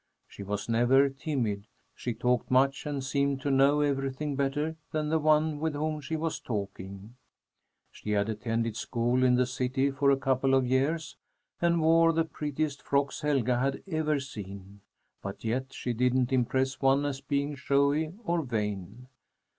She was never timid; she talked much and seemed to know everything better than the one with whom she was talking. She had attended school in the city for a couple of years and wore the prettiest frocks Helga had ever seen, but yet she didn't impress one as being showy or vain.